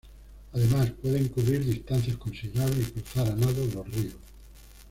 Además, pueden cubrir distancias considerables y cruzar a nado los ríos.